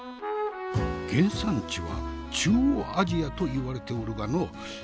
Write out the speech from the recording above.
原産地は中央アジアといわれておるがのう。